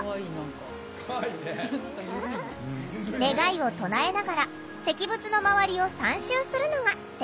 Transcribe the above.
願いを唱えながら石仏の周りを３周するのが定番のお参り。